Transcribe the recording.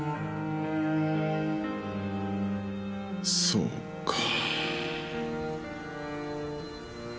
そうか。